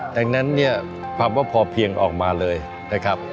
ดังนั้นเนี่ยคำว่าพอเพียงออกมาเลยนะครับ